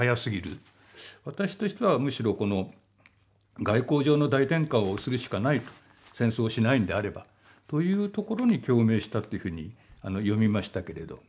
私としてはむしろこの外交上の大転換をするしかないと戦争をしないんであればというところに共鳴したというふうに読みましたけれど。